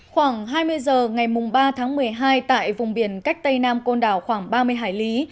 khoảng hai mươi giờ ngày ba tháng một mươi hai tại vùng biển cách tây nam côn đảo khoảng ba mươi hải lý